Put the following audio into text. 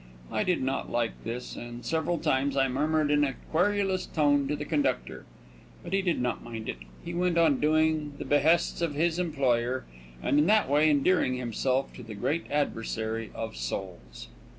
I did not like this, and several times I murmured in a querulous tone to the conductor. But he did not mind it. He went on doing the behests of his employer, and in that way endearing himself to the great adversary of souls.